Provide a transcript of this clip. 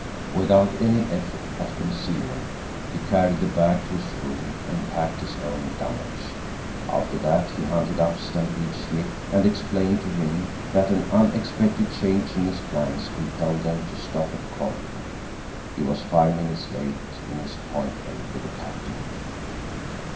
Without any effort at concealment he carried the bag to his room and packed his own dunnage. After that he hunted up Stampede Smith and explained to him that an unexpected change in his plans compelled them to stop at Cordova. He was five minutes late in his appointment with the captain.